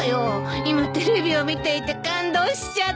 今テレビを見ていて感動しちゃって。